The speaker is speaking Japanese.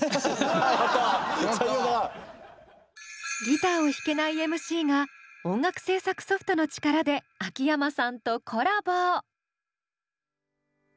ギターを弾けないＭＣが音楽制作ソフトの力で秋山さんとコラボ！